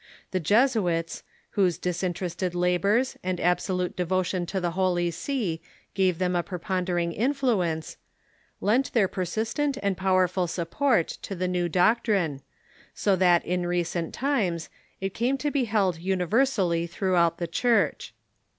The Jesuits, whose dis interested labors and absolute devotion to the Holy See gave them a preponderating influence, lent their persistent and pow erful support to the new doctrine, so that in recent times it came to be held universally throughout the Church.